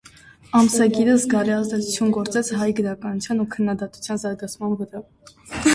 Ամսագիրը զգալի ազդեցություն գործեց հայ գրականության ու քննադատության զարգացման վրա։